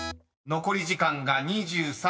［残り時間が２３秒７８］